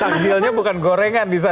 takjilnya bukan gorengan di sana